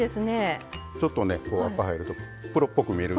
ちょっとね赤入るとプロっぽく見える。